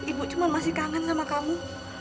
ibu cuma masih kangen sama kamu